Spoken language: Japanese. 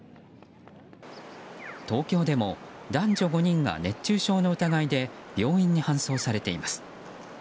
東京でも男女５人が熱中症の疑いで病院に搬送されています。